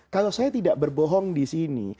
kalau saya tidak berbohong di sini